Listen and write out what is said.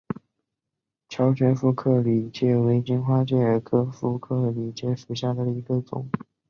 乔玄副克里介为荆花介科副克里介属下的一个种。